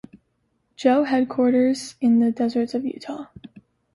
Joe Headquarters in the deserts of Utah.